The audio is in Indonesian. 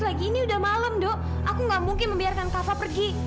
lagi ini udah malam dok aku nggak mungkin membiarkan kak fah pergi